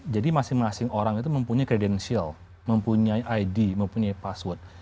jadi masing masing orang itu mempunyai credential mempunyai id mempunyai password